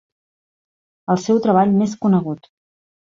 El seu treball més conegut.